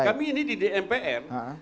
kami ini di dmpr